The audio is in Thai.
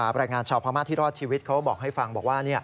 แรงงานชาวพม่าที่รอดชีวิตเขาบอกให้ฟังบอกว่า